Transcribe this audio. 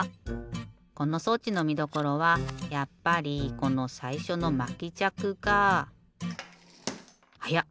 この装置のみどころはやっぱりこのさいしょのまきじゃくがはやっ！